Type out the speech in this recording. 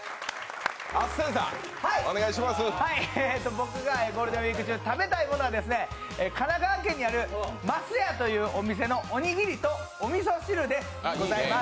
僕がゴールデンウイーク中、食べたいものは神奈川県にあるますやというお店のおにぎりとおみそ汁でございます。